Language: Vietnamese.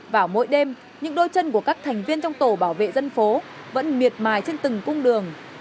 vào mỗi đêm những đôi chân của các thành viên trong tổ bảo vệ dân phố vẫn miệt mài trên từng cung đường